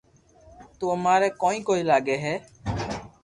تو اماري ڪوئي ڪوئي لاگو ھي